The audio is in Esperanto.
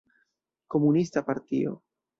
Komunista partio.